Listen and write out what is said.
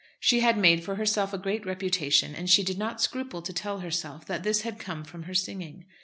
She had made for herself a great reputation, and she did not scruple to tell herself that this had come from her singing.